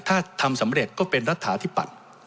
ถ้าทำสำเร็จก็เป็นรัฐธาตุที่ปัด